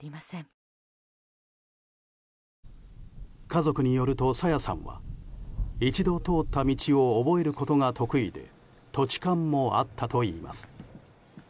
家族によると、朝芽さんは一度通った道を覚えることが得意で土地勘もあったといいます。